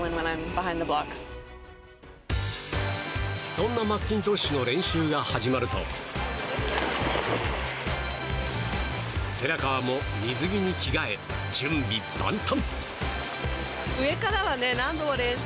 そんなマッキントッシュの練習が始まると寺川も水着に着替え準備万端！